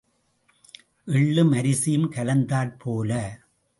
எள்ளும் அரிசியும் கலந்தாற் போல.